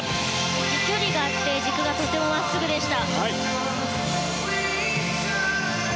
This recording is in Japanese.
飛距離があって軸がとても真っすぐでした。